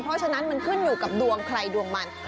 เพราะฉะนั้นมันขึ้นอยู่กับดวงใครดวงมัน